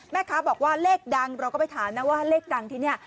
แม่ค้าบอกว่าเลขดังเราก็ไปถามนะว่าเลขดังที่นี่